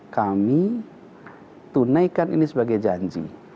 kami tunaikan ini sebagai janji